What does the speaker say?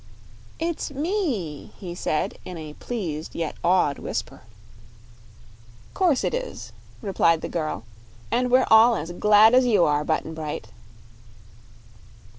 "It's me!" he said, in a pleased yet awed whisper. "'Course it is," replied the girl, "and we're all as glad as you are, Button Bright."